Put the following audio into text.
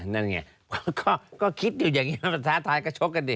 นั่นไงก็คิดอยู่อย่างนี้มันท้าทายก็ชกกันดิ